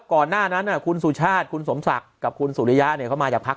ก่อนหน้านั้นคุณสุชาติคุณสมศักดิ์กับคุณสุริยะเขามาจากพัก